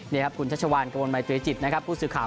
นี่ครับคุณชัชวานกระบวนใหม่ตัวให้จิตพูดสื่อข่าว